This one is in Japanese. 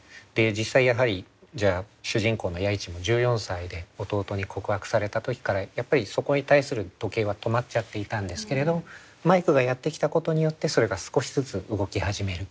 実際やはり主人公の弥一も１４歳で弟に告白された時からやっぱりそこに対する時計は止まっちゃっていたんですけれどマイクがやって来たことによってそれが少しずつ動き始める。